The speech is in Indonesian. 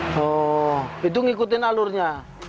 oh itu ngikutin alurnya